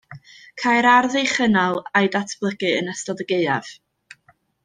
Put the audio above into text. Cai'r ardd ei chynnal a'i datblygu yn ystod y gaeaf